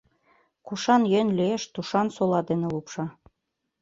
Кушан йӧн лиеш, тушан сола дене лупша.